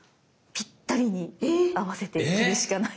ぴったりに合わせて切るしかない。